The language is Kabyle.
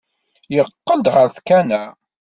Yeqqel-d ɣer tkanna.